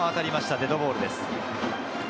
デッドボールです。